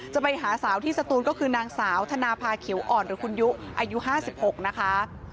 ไปหาสาวที่สตูนก็คือนางสาวธนาภาเขียวอ่อนหรือคุณยุอายุ๕๖นะคะ